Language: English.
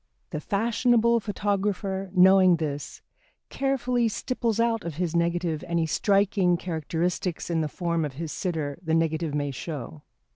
The fashionable photographer, knowing this, carefully stipples out of his negative any #striking# characteristics in the form of his sitter the negative may show.